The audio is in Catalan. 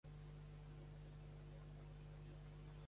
Vicente Gil-Franco va ser un pintor nascut a Barcelona.